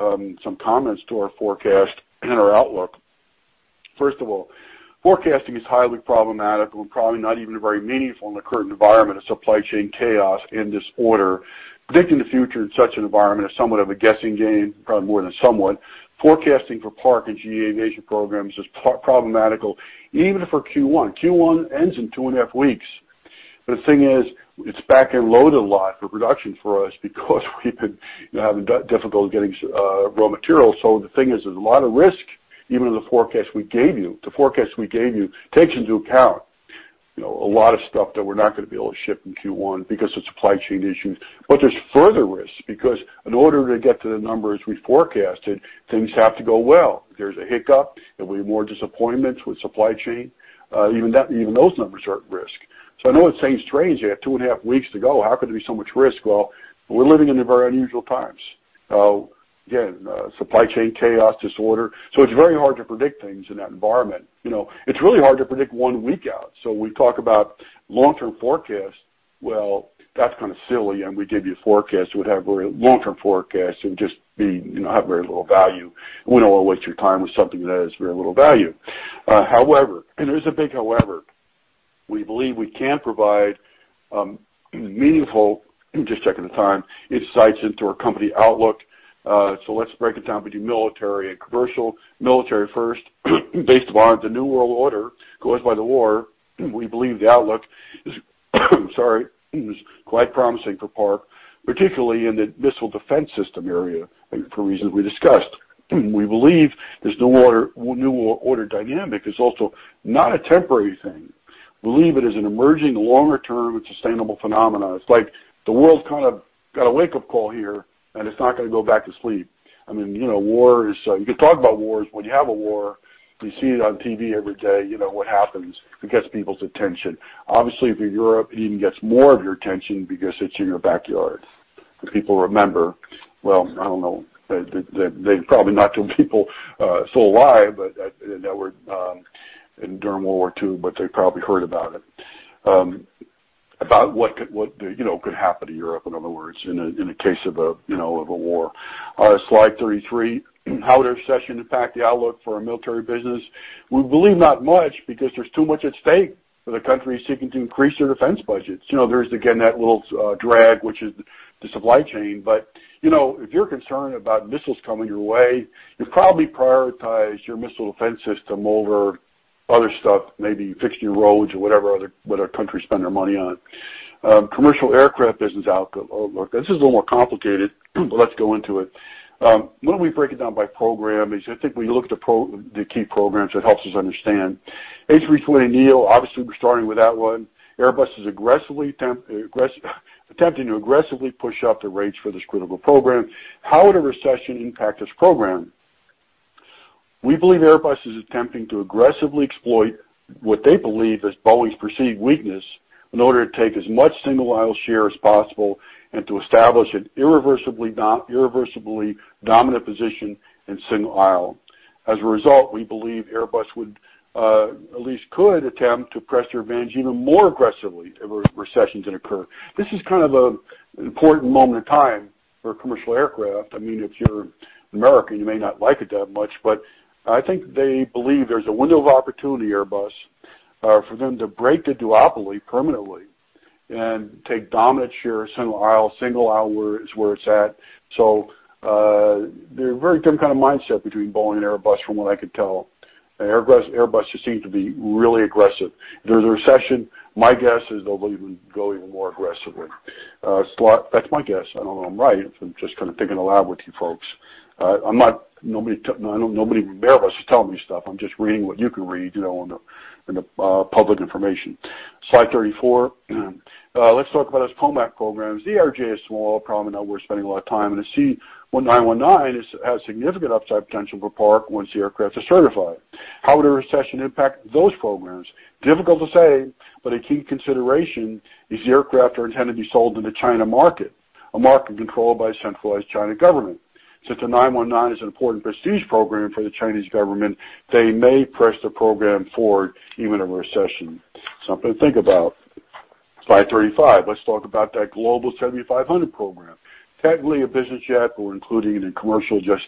some comments to our forecast and our outlook. First of all, forecasting is highly problematic and probably not even very meaningful in the current environment of supply chain chaos and disorder. Predicting the future in such an environment is somewhat of a guessing game, probably more than somewhat. Forecasting for Park and GE Aviation programs is problematical even for Q1. Q1 ends in two and a half weeks. The thing is, it's back-end loaded a lot for production for us because we've been having difficulty getting raw materials. The thing is, there's a lot of risk, even in the forecast we gave you. The forecast we gave you takes into account, you know, a lot of stuff that we're not gonna be able to ship in Q1 because of supply chain issues. There's further risk because in order to get to the numbers we forecasted, things have to go well. If there's a hiccup, there'll be more disappointments with supply chain, even that, even those numbers are at risk. I know it seems strange. You have two and a half weeks to go. How could there be so much risk? Well, we're living in very unusual times. Again, supply chain chaos, disorder. It's very hard to predict things in that environment. You know, it's really hard to predict one week out. When we talk about long-term forecast, well, that's kind of silly. If we give you a forecast, we'd have a very long-term forecast and just be, you know, have very little value. We don't want to waste your time with something that has very little value. However, and there's a big however, we believe we can provide, meaningful, just checking the time, insights into our company outlook. Let's break it down between military and commercial. Military first. Based upon the New World Order caused by the war, we believe the outlook is quite promising for Park, particularly in the missile defense system area, for reasons we discussed. We believe this New Order dynamic is also not a temporary thing. We believe it is an emerging longer-term and sustainable phenomena. It's like the world kind of got a wake-up call here, and it's not gonna go back to sleep. I mean, you know, war is. You can talk about wars. When you have a war, you see it on TV every day. You know what happens. It gets people's attention. Obviously, if you're Europe, it even gets more of your attention because it's in your backyard. People remember, well, I don't know, probably not to people so alive, but that were during World War II, but they probably heard about it. About what could, you know, could happen to Europe, in other words, in a case of a, you know, of a war. Slide 33, how would a recession impact the outlook for our military business? We believe not much because there's too much at stake for the country seeking to increase their defense budgets. You know, there's, again, that little drag, which is the supply chain. You know, if you're concerned about missiles coming your way, you probably prioritize your missile defense system over other stuff, maybe fixing your roads or whatever, what our country spend their money on. Commercial aircraft business outlook. This is a little more complicated, but let's go into it. Why don't we break it down by program? Because I think when you look at the key programs, it helps us understand. A320neo, obviously we're starting with that one. Airbus is aggressively attempting to aggressively push up the rates for this critical program. How would a recession impact this program? We believe Airbus is attempting to aggressively exploit what they believe is Boeing's perceived weakness in order to take as much single-aisle share as possible and to establish an irreversibly dominant position in single aisle. As a result, we believe Airbus would at least could attempt to press their advantage even more aggressively if a recession were to occur. This is kind of an important moment in time for commercial aircraft. I mean, if you're American, you may not like it that much, but I think they believe there's a window of opportunity, Airbus, for them to break the duopoly permanently and take dominant share of single aisle. Single aisle is where it's at. They're very different kind of mindset between Boeing and Airbus from what I could tell. Airbus just seem to be really aggressive. If there's a recession, my guess is they'll even go even more aggressively. That's my guess. I don't know if I'm right. I'm just kind of thinking aloud with you folks. I'm not, nobody at Airbus is telling me stuff. I'm just reading what you can read, you know, in the public information. Slide 34, let's talk about those COMAC programs. The RJ is small program and not worth spending a lot of time, and the C919 has significant upside potential for Park once the aircraft is certified. How would a recession impact those programs? Difficult to say, but a key consideration is the aircraft are intended to be sold in the China market, a market controlled by centralized Chinese government. Since the 919 is an important prestige program for the Chinese government, they may press the program forward even in a recession. Something to think about. Slide 35. Let's talk about that Global 7500 program. Technically a business jet, but we're including it in commercial just,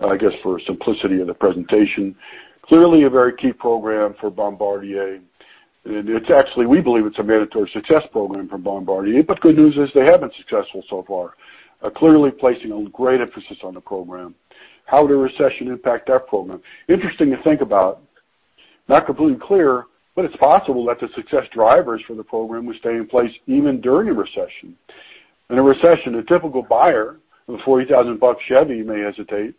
I guess, for simplicity of the presentation. Clearly a very key program for Bombardier, and it's actually, we believe it's a mandatory success program for Bombardier. Good news is they have been successful so far, clearly placing a great emphasis on the program. How would a recession impact that program? Interesting to think about. Not completely clear, but it's possible that the success drivers for the program would stay in place even during a recession. In a recession, a typical buyer of a $40,000 Chevy may hesitate,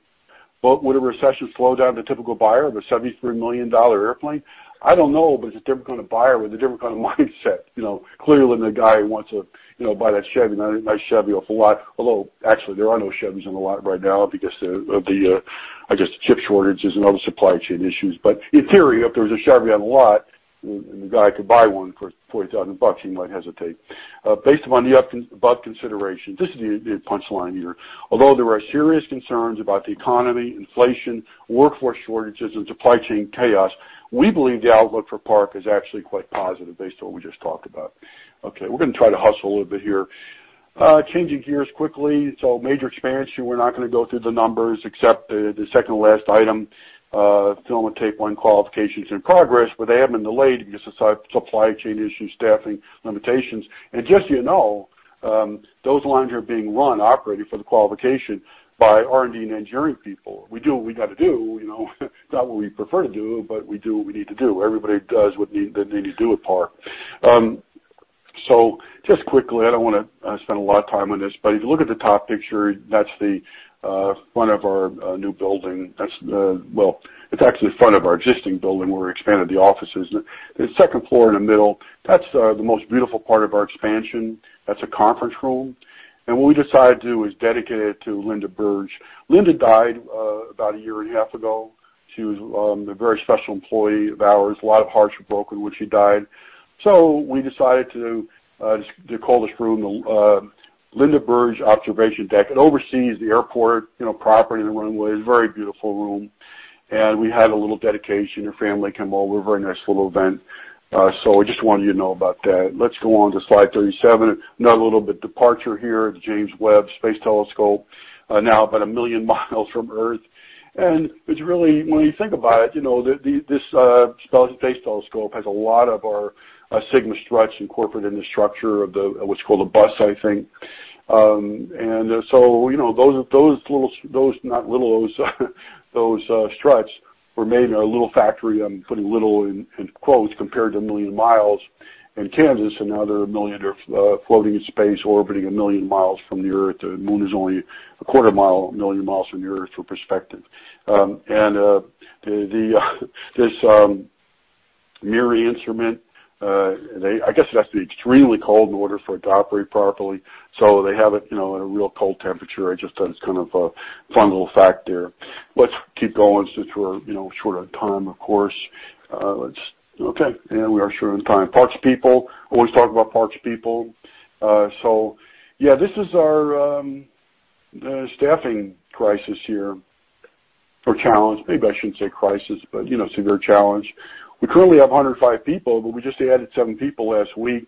but would a recession slow down the typical buyer of a $73 million airplane? I don't know, but it's a different kind of buyer with a different kind of mindset. You know, clearer than the guy who wants to, you know, buy that Chevy, nice Chevy off the lot. Although, actually, there are no Chevys on the lot right now because of the, I guess, the chip shortages and other supply chain issues. In theory, if there was a Chevy on the lot and the guy could buy one for $40,000, he might hesitate. Based upon the above considerations, this is the punch line here. Although there are serious concerns about the economy, inflation, workforce shortages, and supply chain chaos, we believe the outlook for Park is actually quite positive based on what we just talked about. Okay, we're gonna try to hustle a little bit here. Changing gears quickly. Major expansion, we're not gonna go through the numbers except the second to last item, film and tape line qualifications and progress, but they have been delayed because of supply chain issues, staffing limitations. Just so you know, those lines are being run, operated for the qualification by R&D and engineering people. We do what we gotta do, you know? Not what we prefer to do, but we do what we need to do. Everybody does what they need to do at Park. Just quickly, I don't wanna spend a lot of time on this, but if you look at the top picture, that's the front of our new building. Well, it's actually the front of our existing building. We've expanded the offices. The second floor in the middle, that's the most beautiful part of our expansion. That's a conference room. What we decided to do is dedicate it to Linda Burge. Linda died about a year and a half ago. She was a very special employee of ours. A lot of hearts were broken when she died. We decided to call this room the Linda Burge Observation Deck. It oversees the airport, you know, property and the runways. Very beautiful room. We had a little dedication. Her family came over. Very nice little event. I just wanted you to know about that. Let's go on to slide 37. Another little bit departure here of James Webb Space Telescope, now about 1 million miles from Earth. It's really, when you think about it, you know, this space telescope has a lot of our Sigma struts incorporated in the structure of what's called a bus, I think. You know, those not little struts were made in our little factory. I'm putting little in quotes compared to 1 million miles in Kansas, and now they're 1 million away, floating in space, orbiting 1 million miles from the Earth. The moon is only a quarter million miles from the Earth for perspective. The MIRI instrument, I guess it has to be extremely cold in order for it to operate properly, so they have it, you know, in a real cold temperature. I just thought it's kind of a fun little fact there. Let's keep going since we're, you know, short on time, of course. Okay, we are short on time. Park's people. Always talk about Park's people. So yeah, this is our staffing crisis here or challenge. Maybe I shouldn't say crisis, but, you know, severe challenge. We currently have 105 people, but we just added 7 people last week.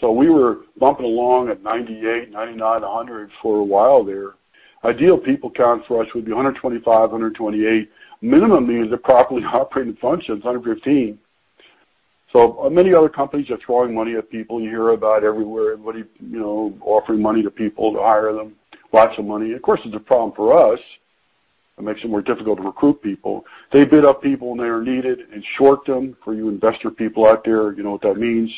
So we were bumping along at 98, 99, 100 for a while there. Ideal people count for us would be 125, 128. Minimum means a properly operating function is 115. So many other companies are throwing money at people. You hear about everywhere, everybody, you know, offering money to people to hire them. Lots of money. Of course, it's a problem for us. It makes it more difficult to recruit people. They bid up people when they are needed and short them. For you investor people out there, you know what that means.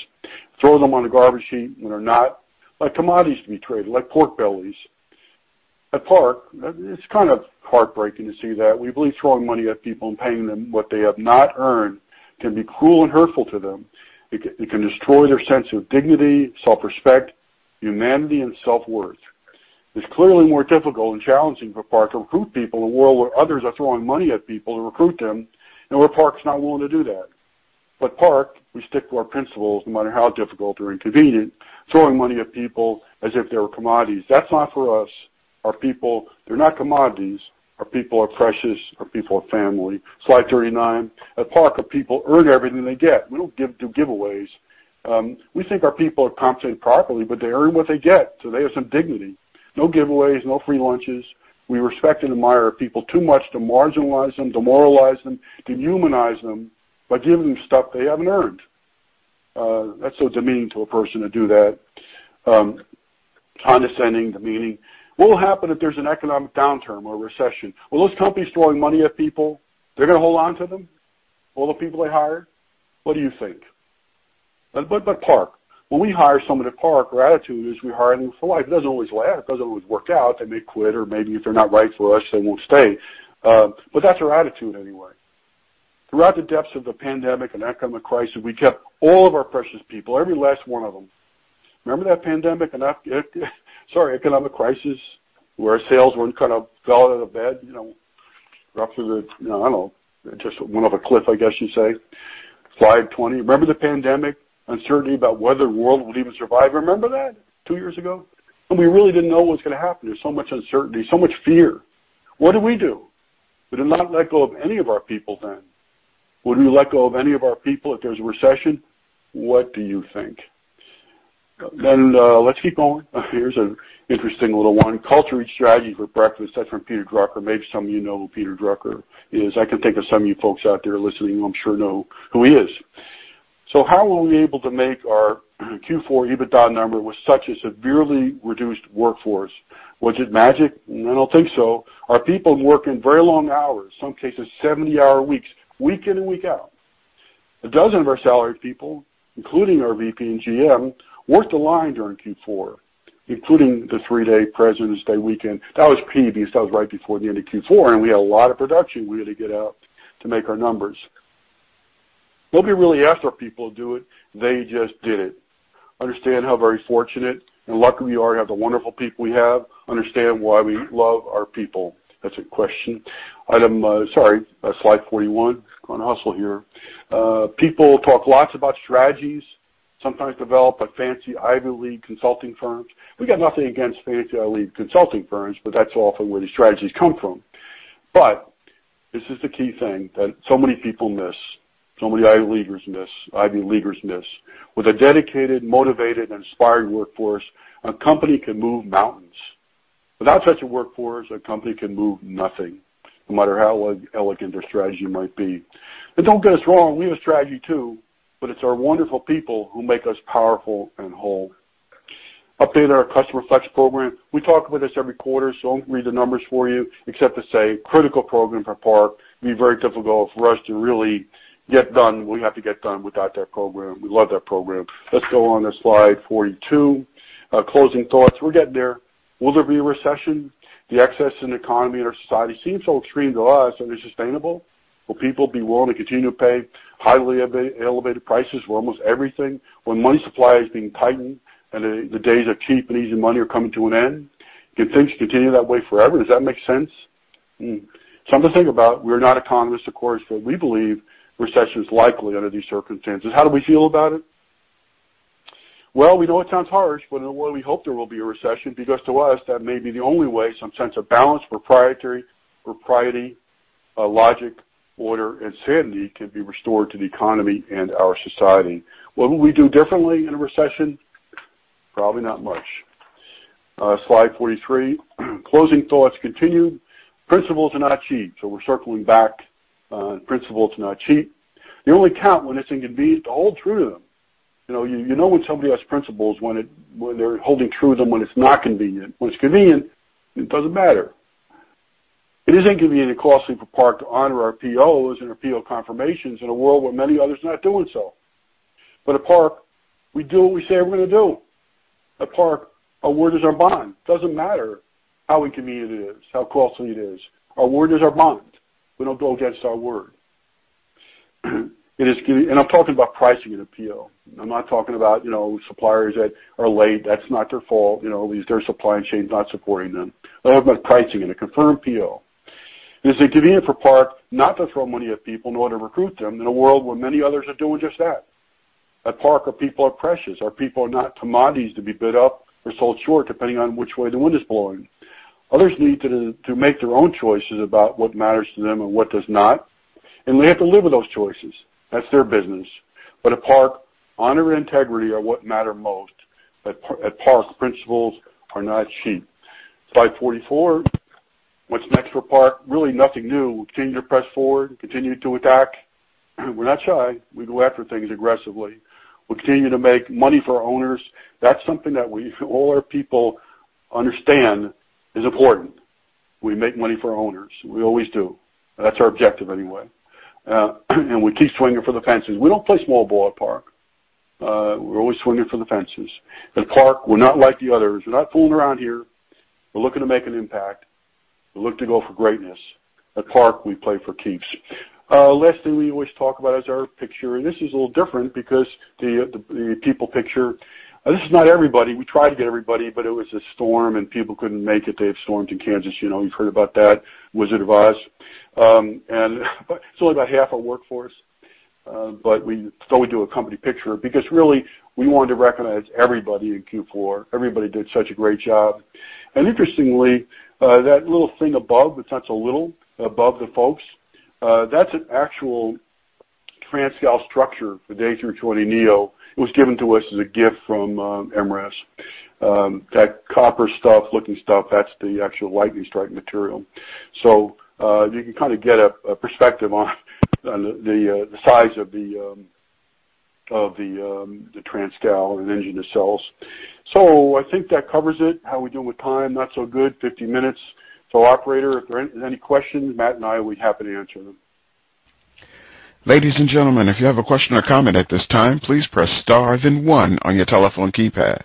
Throw them on a garbage heap when they're not. Like commodities to be traded, like pork bellies. At Park, it's kind of heartbreaking to see that. We believe throwing money at people and paying them what they have not earned can be cruel and hurtful to them. It can destroy their sense of dignity, self-respect, humanity, and self-worth. It's clearly more difficult and challenging for Park to recruit people in a world where others are throwing money at people to recruit them, and where Park's not willing to do that. Park, we stick to our principles no matter how difficult or inconvenient. Throwing money at people as if they were commodities, that's not for us. Our people, they're not commodities. Our people are precious. Our people are family. Slide 39. At Park, our people earn everything they get. We don't do giveaways. We think our people are compensated properly, but they earn what they get, so they have some dignity. No giveaways, no free lunches. We respect and admire our people too much to marginalize them, demoralize them, dehumanize them by giving them stuff they haven't earned. That's so demeaning to a person to do that. Condescending, demeaning. What will happen if there's an economic downturn or recession? Will those companies throwing money at people, they're gonna hold on to them? All the people they hired? What do you think? Park. When we hire someone at Park, our attitude is we hire them for life. It doesn't always last. It doesn't always work out. They may quit, or maybe if they're not right for us, they won't stay. That's our attitude anyway. Throughout the depths of the pandemic and economic crisis, we kept all of our precious people, every last one of them. Remember that pandemic and economic crisis, where our sales fell out of bed, you know, roughly the, you know, I don't know, just went off a cliff, I guess you say. FY 20. Remember the pandemic? Uncertainty about whether the world would even survive. Remember that two years ago? We really didn't know what was gonna happen. There was so much uncertainty, so much fear. What did we do? We did not let go of any of our people then. Would we let go of any of our people if there's a recession? What do you think? Let's keep going. Here's an interesting little one. Culture eats strategy for breakfast. That's from Peter Drucker. Maybe some of you know who Peter Drucker is. I can think of some of you folks out there listening who I'm sure know who he is. How were we able to make our Q4 EBITDA number with such a severely reduced workforce? Was it magic? I don't think so. Our people working very long hours, some cases 70-hour weeks, week in and week out. A dozen of our salaried people, including our VP and GM, worked the line during Q4, including the 3-day President's Day weekend. That was key because that was right before the end of Q4, and we had a lot of production we had to get out to make our numbers. Nobody really asked our people to do it. They just did it. Understand how very fortunate and lucky we are to have the wonderful people we have. Understand why we love our people. That's a question. Sorry, slide 41. Gonna hustle here. People talk lots about strategies sometimes developed by fancy Ivy League consulting firms. We've got nothing against fancy Ivy League consulting firms, but that's often where these strategies come from. This is the key thing that so many people miss, so many Ivy Leaguers miss. With a dedicated, motivated, and inspired workforce, a company can move mountains. Without such a workforce, a company can move nothing, no matter how elegant their strategy might be. Don't get us wrong, we have a strategy too, but it's our wonderful people who make us powerful and whole. Update on our Customer Flex Program. We talk about this every quarter, so I won't read the numbers for you, except to say critical program for Park. It'd be very difficult for us to really get done what we have to get done without that program. We love that program. Let's go on to slide 42. Closing thoughts. We're getting there. Will there be a recession? The excess in the economy and our society seems so extreme to us. Are they sustainable? Will people be willing to continue to pay highly elevated prices for almost everything when money supply is being tightened and the days of cheap and easy money are coming to an end? Can things continue that way forever? Does that make sense? Something to think about. We're not economists, of course, but we believe recession is likely under these circumstances. How do we feel about it? Well, we know it sounds harsh, but in a way, we hope there will be a recession because to us, that may be the only way some sense of balance, propriety, logic, order, and sanity can be restored to the economy and our society. What will we do differently in a recession? Probably not much. Slide 43. Closing thoughts continued. Principles are not cheap. We're circling back on principles are not cheap. They only count when it's inconvenient to hold true to them. You know when somebody has principles when they're holding true to them when it's not convenient. When it's convenient, it doesn't matter. It is inconvenient and costly for Park to honor our POs and our PO confirmations in a world where many others are not doing so. At Park, we do what we say we're gonna do. At Park, our word is our bond. Doesn't matter how inconvenient it is, how costly it is. Our word is our bond. We don't go against our word. I'm talking about pricing in a PO. I'm not talking about, you know, suppliers that are late. That's not their fault. You know, maybe their supply chain is not supporting them. I'm talking about pricing in a confirmed PO. It is inconvenient for Park not to throw money at people in order to recruit them in a world where many others are doing just that. At Park, our people are precious. Our people are not commodities to be bid up or sold short, depending on which way the wind is blowing. Others need to make their own choices about what matters to them and what does not, and they have to live with those choices. That's their business. At Park, honor and integrity are what matter most. At Park, principles are not cheap. Slide 44. What's next for Park? Really nothing new. Continue to press forward, continue to attack. We're not shy. We go after things aggressively. We continue to make money for our owners. That's something that we, all our people understand is important. We make money for our owners. We always do. That's our objective anyway. We keep swinging for the fences. We don't play small ball at Park. We're always swinging for the fences. At Park, we're not like the others. We're not fooling around here. We're looking to make an impact. We look to go for greatness. At Park, we play for keeps. Last thing we always talk about is our picture, and this is a little different because the people picture. This is not everybody. We tried to get everybody, but it was a storm and people couldn't make it. They had storms in Kansas. You know, you've heard about that. Wizard of Oz. It's only about half our workforce. We do a company picture because really we wanted to recognize everybody in Q4. Everybody did such a great job. Interestingly, that little thing above, it's not so little, above the folks, that's an actual transcowl structure, the A320neo. It was given to us as a gift from MRAS. That copper stuff, looking stuff, that's the actual lightning strike material. You can kinda get a perspective on the size of the transcowl and engine it sells. I think that covers it. How we doing with time? Not so good. 50 minutes. Operator, if there are any questions, Matt and I, we'd be happy to answer them. Ladies and gentlemen, if you have a question or comment at this time, please press star then one on your telephone keypad.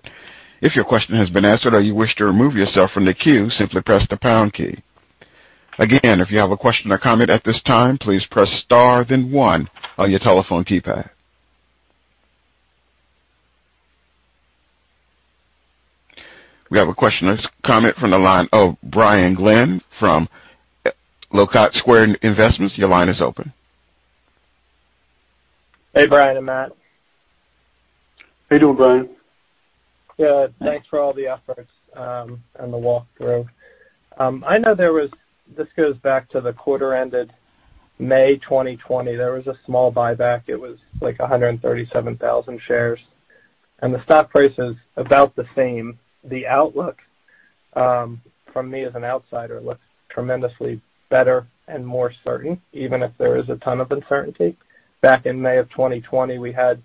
If your question has been answered or you wish to remove yourself from the queue, simply press the pound key. Again, if you have a question or comment at this time, please press star then one on your telephone keypad. We have a question or comment from the line of Brian Glenn from Olcott Square Investment Partners. Your line is open. Hey, Brian and Matt. How you doing, Brian? Good. Thanks for all the efforts and the walkthrough. I know this goes back to the quarter-ended May 2020. There was a small buyback. It was like 137,000 shares. The stock price is about the same. The outlook from me as an outsider looks tremendously better and more certain, even if there is a ton of uncertainty. Back in May of 2020, we had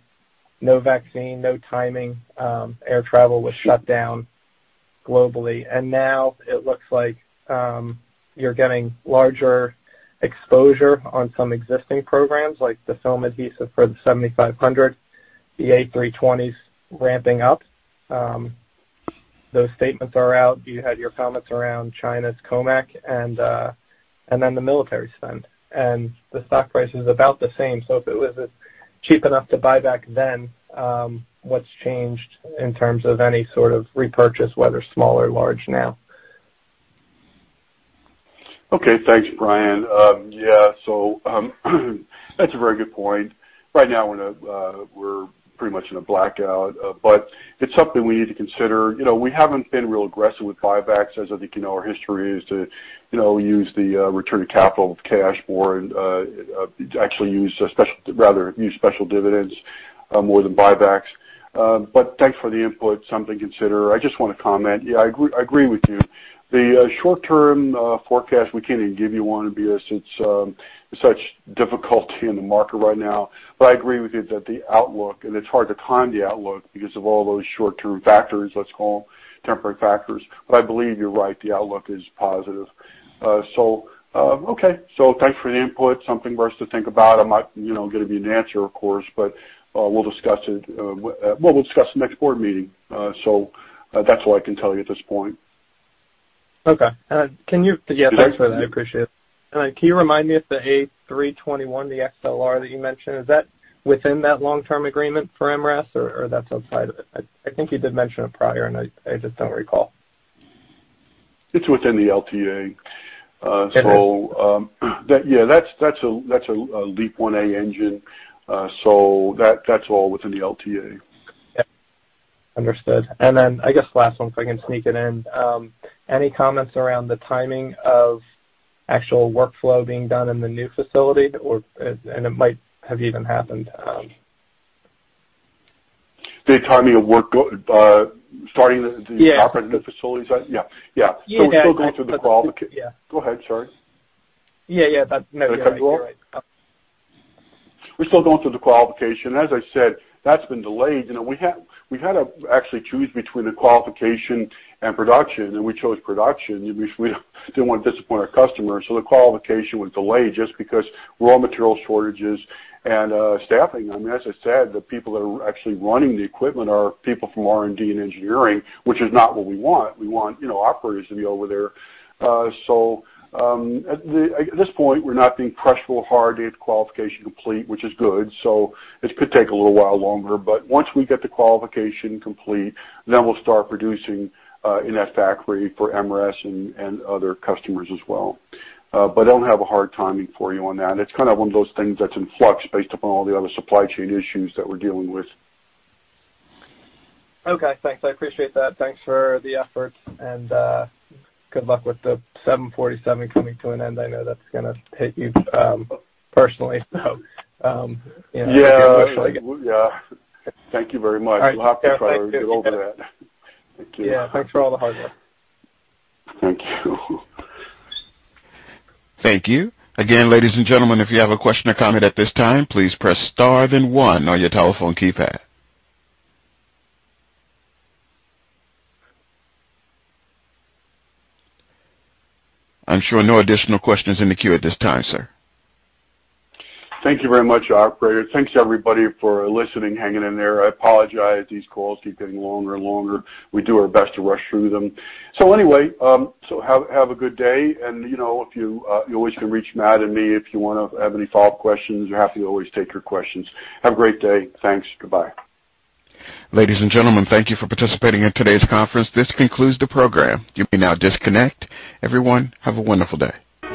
no vaccine, no timing, air travel was shut down globally. Now it looks like you're getting larger exposure on some existing programs like the film adhesive for the 7500, the A320s ramping up. Those statements are out. You had your comments around China's COMAC and then the military spend. The stock price is about the same. If it was cheap enough to buy back then, what's changed in terms of any sort of repurchase, whether small or large now? Okay. Thanks, Brian. Yeah. That's a very good point. Right now, we're pretty much in a blackout, but it's something we need to consider. You know, we haven't been real aggressive with buybacks, as I think you know our history is to, you know, use the return of capital cash for special dividends rather than buybacks. Thanks for the input, something to consider. I just wanna comment. Yeah, I agree with you. The short-term forecast, we can't even give you one because it's such difficulty in the market right now. I agree with you that the outlook, and it's hard to time the outlook because of all those short-term factors, let's call them temporary factors. I believe you're right, the outlook is positive. Thanks for the input. I'm not, you know, gonna be an answer, of course, but we'll discuss the next board meeting. That's all I can tell you at this point. Okay. Yeah, thanks for that. I appreciate it. Can you remind me if the A321, the XLR that you mentioned, is that within that long-term agreement for MRAS or that's outside of it? I think you did mention it prior, and I just don't recall. It's within the LTA. Yeah, that's a LEAP-1A engine, so that's all within the LTA. Yeah. Understood. Then I guess last one, if I can sneak it in. Any comments around the timing of actual workflow being done in the new facility or, and it might have even happened. The timing of work starting the operating the facilities? Yeah. Yeah. Yeah. Yeah. We're still going through the qualification. Yeah. Go ahead. Sorry. Yeah, yeah. No, you're right. We're still going through the qualification. As I said, that's been delayed. You know, we had to actually choose between the qualification and production, and we chose production. We didn't want to disappoint our customers, so the qualification was delayed just because raw material shortages and staffing. I mean, as I said, the people that are actually running the equipment are people from R&D and engineering, which is not what we want. We want, you know, operators to be over there. At this point, we're not being pressed real hard to get the qualification complete, which is good. This could take a little while longer, but once we get the qualification complete, then we'll start producing in that factory for MRAS and other customers as well. I don't have a hard timing for you on that. It's kind of one of those things that's in flux based upon all the other supply chain issues that we're dealing with. Okay. Thanks. I appreciate that. Thanks for the effort. Good luck with the 747 coming to an end. I know that's gonna hit you, personally, so, yeah. Yeah. Yeah. Thank you very much. All right. Yeah. Thank you. We'll have to try to get over that. Thank you. Yeah. Thanks for all the hard work. Thank you. Thank you. Again, ladies and gentlemen, if you have a question or comment at this time, please press star then 1 on your telephone keypad. I'm showing no additional questions in the queue at this time, sir. Thank you very much, Operator. Thanks, everybody, for listening, hanging in there. I apologize these calls keep getting longer and longer. We do our best to rush through them. Anyway, have a good day. You know, if you always can reach Matt and me if you wanna have any follow-up questions. We're happy to always take your questions. Have a great day. Thanks. Goodbye. Ladies and gentlemen, thank you for participating in today's conference. This concludes the program. You may now disconnect. Everyone, have a wonderful day.